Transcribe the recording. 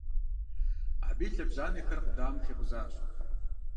Абы и лъэбжьанэхэр къудамэм хикъузащ.